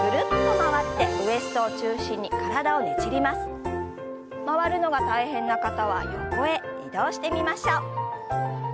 回るのが大変な方は横へ移動してみましょう。